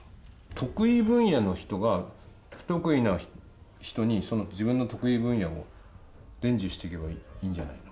得意分野の人が不得意な人にその自分の得意分野を伝授してけばいいんじゃないの？